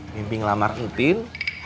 mimpi ngelamar tin